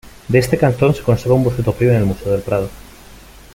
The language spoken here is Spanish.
De este cartón se conserva un boceto previo en el Museo del Prado.